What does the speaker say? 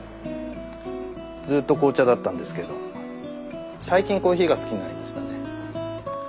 ずーっと紅茶だったんですけど最近コーヒーが好きになりましたね。